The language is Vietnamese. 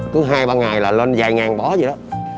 cứ hai ba ngày là lên vài ngàn bó vậy đó